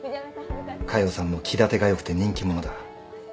佳代さんも気立てが良くて人気者だ。